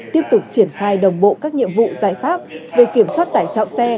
tiếp tục triển khai đồng bộ các nhiệm vụ giải pháp về kiểm soát tải trọng xe